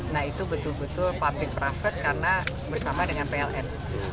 nah itu betul betul public private karena bersama dengan pln